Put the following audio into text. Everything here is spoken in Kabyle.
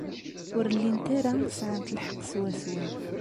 Ur llint ara sɛant lḥeqq swaswa.